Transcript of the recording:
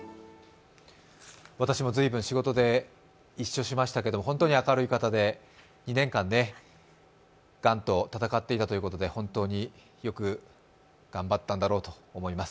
私も随分、仕事で一緒しましたけれども、本当に明るい方で２年間がんと闘っていたということで、本当によく頑張ったんだろうと思います。